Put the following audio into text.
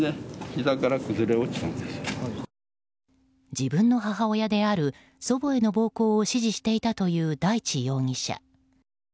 自分の母親である祖母への暴行を指示していたという大地容疑者。